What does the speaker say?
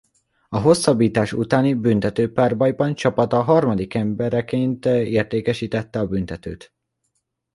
A hosszabbítás utáni büntetőpárbajban csapata harmadik embereként értékesítette a büntetőt.